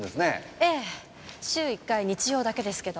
ええ週１回日曜だけですけど。